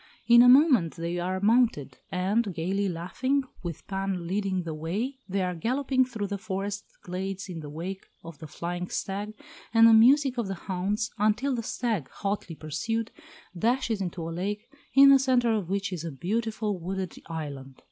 In a moment they are mounted, and, gaily laughing, with Pan leading the way, they are galloping through the forest glades in the wake of the flying stag and the music of the hounds, until the stag, hotly pursued, dashes into a lake, in the centre of which is a beautiful wooded island.